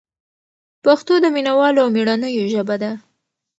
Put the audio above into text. پښتو د مینه والو او مېړنیو ژبه ده.